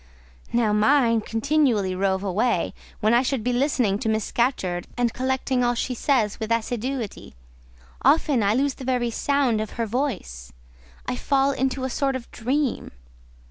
Now, mine continually rove away; when I should be listening to Miss Scatcherd, and collecting all she says with assiduity, often I lose the very sound of her voice; I fall into a sort of dream.